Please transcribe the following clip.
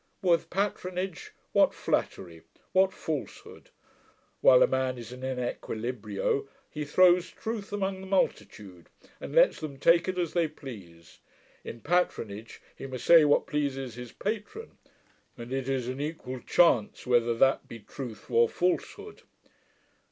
With patronage, what flattery! What falsehood! While a man is in equilibria, he throws truth among the multitude, and lets them take it as they please: in patronage, he must say what pleases his patron, and it is an equal chance whether that be truth or falsehood.'